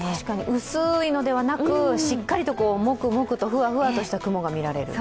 薄いのではなくしっかりともくもくと、ふわふわとした雲がみられる。